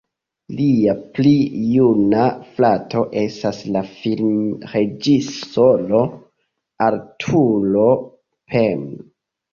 Lia pli juna frato estas la filmreĝisoro Arthur Penn.